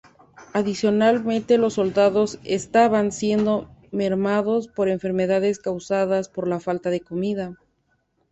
Adicionalmente los soldados estaban siendo mermados por enfermedades causadas por la falta de comida.